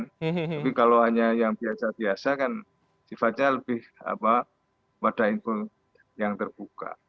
tapi kalau hanya yang biasa biasa kan sifatnya lebih pada info yang terbuka